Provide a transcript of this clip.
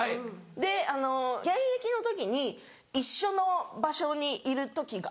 で現役の時に一緒の場所にいる時があって。